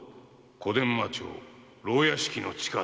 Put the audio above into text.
小伝馬町牢屋敷の地下だ。